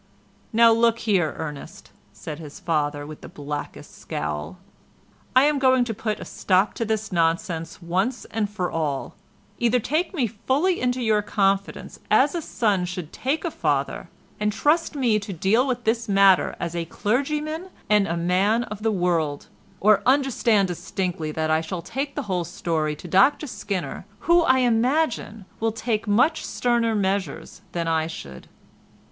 "Now look here, Ernest," said his father with his blackest scowl, "I am going to put a stop to this nonsense once for all. Either take me fully into your confidence, as a son should take a father, and trust me to deal with this matter as a clergyman and a man of the world—or understand distinctly that I shall take the whole story to Dr Skinner, who, I imagine, will take much sterner measures than I should."